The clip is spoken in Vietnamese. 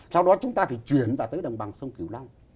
sau đó chúng ta phải chuyển vào tới đồng bằng sông cửu long